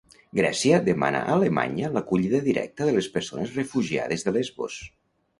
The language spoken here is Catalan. Grècia demana a Alemanya l'acollida directa de les persones refugiades de Lesbos.